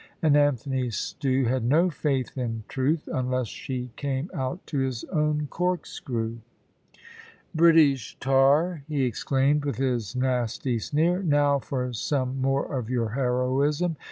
And Anthony Stew had no faith in truth, unless she came out to his own corkscrew. "British tar," he exclaimed, with his nasty sneer; "now for some more of your heroism!